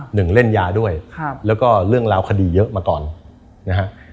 เล่นยาด้วยครับแล้วก็เรื่องราวคดีเยอะมาก่อนนะฮะ